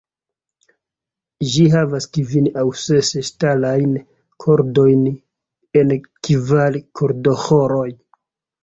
Ĝi havas kvin aŭ ses ŝtalajn kordojn en kvar kordoĥoroj.